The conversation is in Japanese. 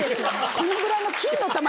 このぐらいの。